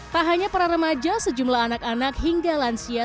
tak hanya para remaja sejumlah anak anak hingga lansia